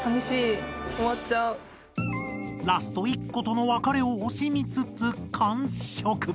ラスト１個との別れを惜しみつつ完食。